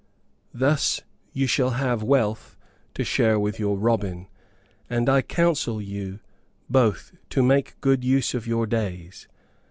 "Thus you shall have wealth to share with your Robin; and I counsel you both to make good use of your days.